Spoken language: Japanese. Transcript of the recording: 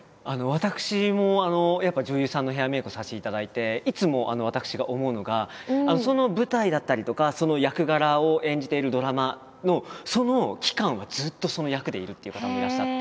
私もやっぱり女優さんのヘアメイクをさせていただいていつも私が思うのがその舞台だったりとかその役柄を演じているドラマのその期間はずっとその役でいるっていう方もいらっしゃって。